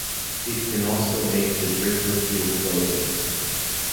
It can also make the drinker feel bloated.